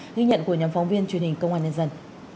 ghi nhận của nhóm phóng viên truyền hình công an nhân dân